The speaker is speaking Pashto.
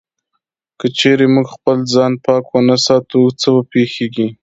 که چېرې موږ خپل ځان پاک و نه ساتو، څه پېښيږي؟